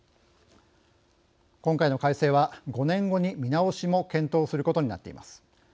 今回の改正は、５年後に見直しも検討することになっています。